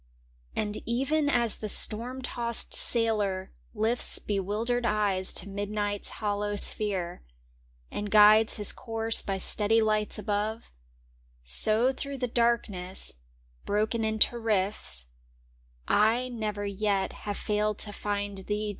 And even as the storm tossed sailor lifts Bewildered eyes to midnight's hollow sphere And guides his course by steady lights above, So through the darkness, broken into rifts, I never yet have failed to find thee.